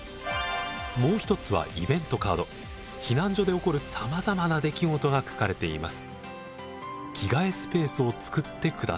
もう一つは避難所で起こるさまざまな出来事が書かれています。